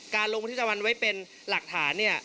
การลงบันทึกประจำวันไว้เป็นหลักฐาน